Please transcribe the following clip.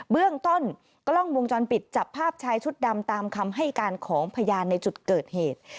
เบื้องต้นกล้องวงจรปิดจับภาพชายชุดดำตามคำให้การของพยานในจุดเกิดเหตุ